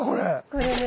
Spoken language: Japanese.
これね